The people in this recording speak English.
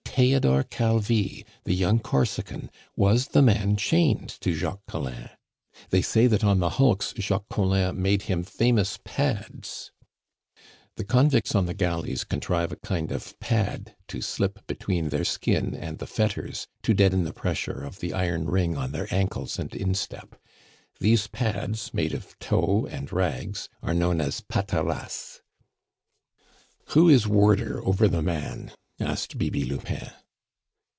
Theodore Calvi, the young Corsican, was the man chained to Jacques Collin; they say that on the hulks Jacques Collin made him famous pads " The convicts on the galleys contrive a kind of pad to slip between their skin and the fetters to deaden the pressure of the iron ring on their ankles and instep; these pads, made of tow and rags, are known as patarasses. "Who is warder over the man?" asked Bibi Lupin.